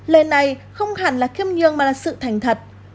lời này không hẳn là khiêm nhương mà là sự thành thật